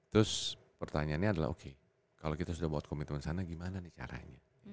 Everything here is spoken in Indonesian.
terus pertanyaannya adalah oke kalau kita sudah buat komitmen di sana gimana nih caranya